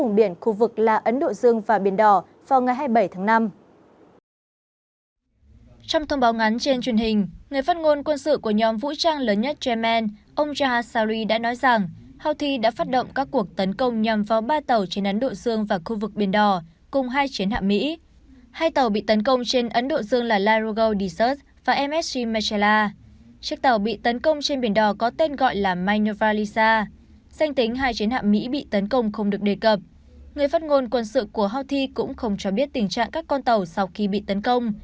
người phát ngôn quân sự của houthi cũng không cho biết tình trạng các con tàu sau khi bị tấn công